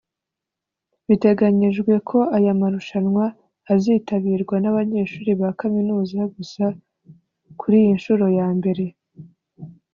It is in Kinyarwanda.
Biteganyijwe ko aya marushanwa azitabirwa n’abanyeshuri ba kaminuza gusa kuri iyi nshuro ya mbere